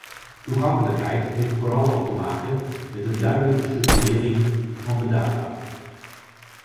Toegankelijkheid heeft vooral ook te maken met een duidelijke structurering van de data.